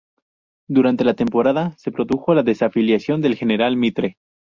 Durante la temporada se produjo la desafiliación de General Mitre.